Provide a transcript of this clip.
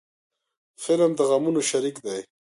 فلم د غمونو شریک دی